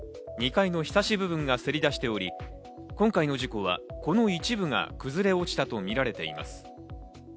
２階のひさし部分がせり出しており、今回の事故は、この一部が崩れ落ちたとみられています。